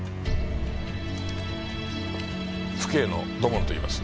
府警の土門といいます。